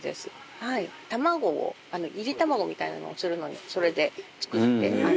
卵を炒り卵みたいなのをするのにそれで作って。